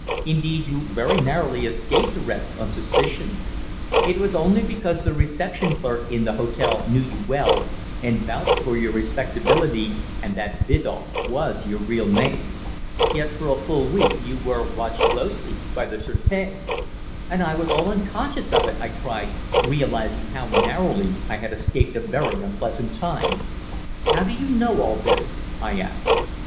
Indeed, you very narrowly escaped arrest on suspicion. It was only because the reception clerk in the hotel knew you well, and vouched for your respectability and that Biddulph was your real name. Yet, for a full week, you were watched closely by the sûreté." "And I was all unconscious of it!" I cried, realizing how narrowly I had escaped a very unpleasant time. "How do you know all this?" I asked.